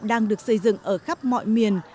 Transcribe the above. đang được xây dựng ở khắp mọi miền